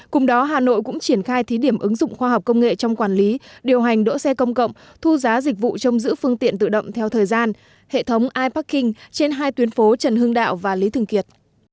cùng đó hà nội cũng triển khai thí điểm ứng dụng khoa học công nghệ trong quản lý điều hành đỗ xe công cộng thu giá dịch vụ trong giữ phương tiện tự động theo thời gian hệ thống iparking trên hai tuyến phố trần hưng đạo và lý thường kiệt